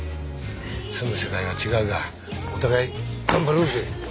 住む世界は違うがお互い頑張ろうぜ！